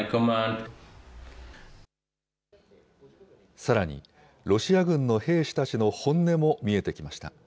さらに、ロシア軍の兵士たちの本音も見えてきました。